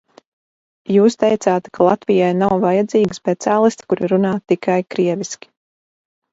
Jūs teicāt, ka Latvijai nav vajadzīgi speciālisti, kuri runā tikai krieviski.